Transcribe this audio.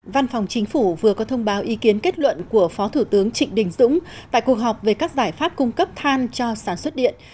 văn phòng chính phủ vừa có thông báo ý kiến kết luận của phó thủ tướng trịnh đình dũng tại cuộc họp về các giải pháp cung cấp than cho sản xuất điện